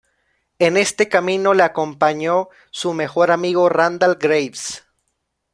En este camino le acompañó su mejor amigo Randal Graves.